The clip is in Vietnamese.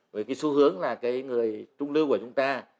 với cái xu hướng là cái người trung lưu của chúng ta